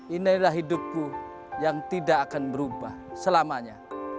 inilah hidupku yang tidak akan berubah selamanya